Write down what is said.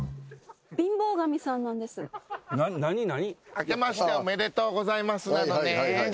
明けましておめでとうございますなのねん。